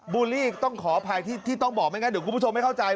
ูลลี่ต้องขออภัยที่ต้องบอกไม่งั้นเดี๋ยวคุณผู้ชมไม่เข้าใจ